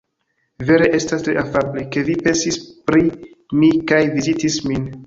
Vere estas tre afable, ke vi pensis pri mi kaj vizitis min.